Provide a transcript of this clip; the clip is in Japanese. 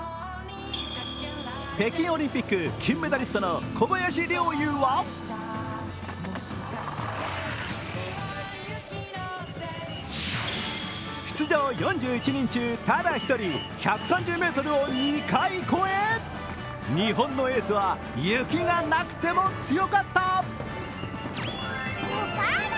北京オリンピック金メダリストの小林陵侑は出場４１人中、ただ１人１３０ｍを２回越え、日本のエースは雪がなくても強かった。